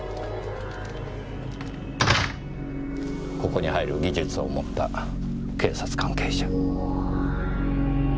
ここに入る技術を持った警察関係者。